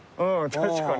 確かに。